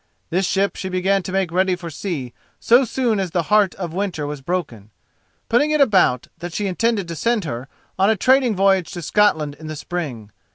This ship she began to make ready for sea so soon as the heart of the winter was broken, putting it about that she intended to send her on a trading voyage to Scotland in the spring.